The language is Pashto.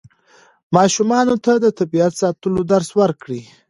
ماشومانو ته د طبیعت ساتلو درس ورکړئ.